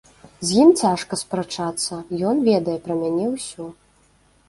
З ім цяжка спрачацца, ён ведае пра мяне ўсё.